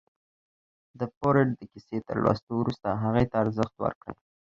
د فورډ د کيسې تر لوستو وروسته هغې ته ارزښت ورکړئ.